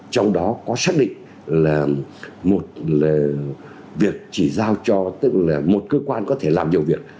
trong đó có xác định là một việc chỉ giao cho tức là một cơ quan có thể làm nhiều việc